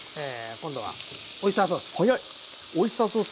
今度はオイスターソース。